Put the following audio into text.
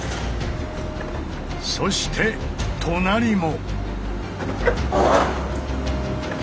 そして隣も！